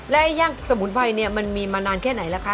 และย่างสมุนไพรเนี่ยมันมีมานานแค่ไหนล่ะคะ